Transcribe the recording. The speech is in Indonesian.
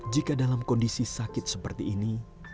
jika dalam kondisi sakit seperti ini